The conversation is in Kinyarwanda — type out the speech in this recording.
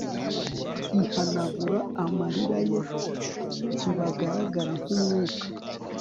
ihanagura amarira ye, ntibagaragara nkumwuka